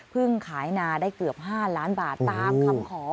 ขายนาได้เกือบ๕ล้านบาทตามคำขอ